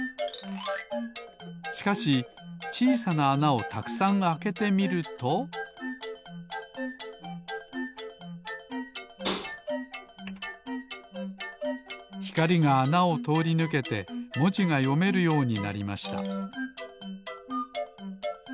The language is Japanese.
しかしちいさなあなをたくさんあけてみるとひかりがあなをとおりぬけてもじがよめるようになりました